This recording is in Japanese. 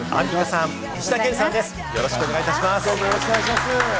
よろしくお願いします。